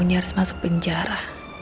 nyaris masuk penjara